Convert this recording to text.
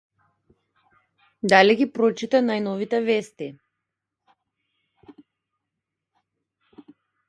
Дали ги прочита најновите вести?